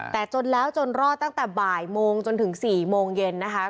แต่จนแล้วจนรอดตั้งแต่บ่ายโมงจนถึง๔โมงเย็นนะคะ